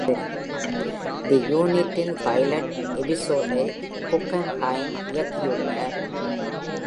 தி Unit" இன் pilot எபிசோடை Guggenheim இயக்கியுள்ளார்